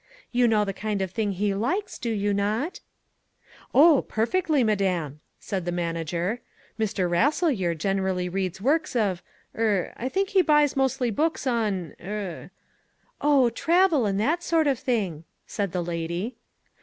You know the kind of thing he likes, do you not?" "Oh, perfectly, madam," said the manager. "Mr. Rasselyer generally reads works of er I think he buys mostly books on er " "Oh, travel and that sort of thing," said the lady.